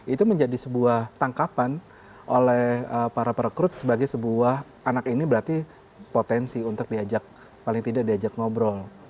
itu menjadi sebuah tangkapan oleh para perekrut sebagai sebuah anak ini berarti potensi untuk diajak paling tidak diajak ngobrol